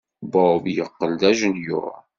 Bob yeqqel d ajenyuṛ.